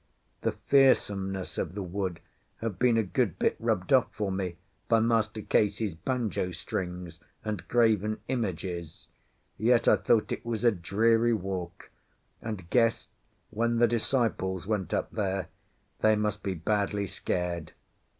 The fearsomeness of the wood had been a good bit rubbed off for me by Master Case's banjo strings and graven images, yet I thought it was a dreary walk, and guessed, when the disciples went up there, they must be badly scared.